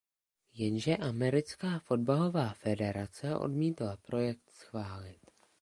Jenže americká fotbalová federace odmítla projekt schválit.